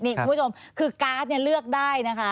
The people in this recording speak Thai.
นี่คุณผู้ชมคือการ์ดเนี่ยเลือกได้นะคะ